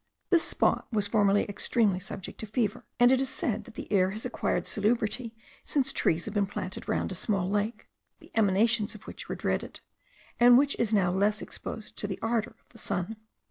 This spot was formerly extremely subject to fever; and it is said that the air has acquired salubrity since trees have been planted round a small lake, the emanations of which were dreaded, and which is now less exposed to the ardour of the sun.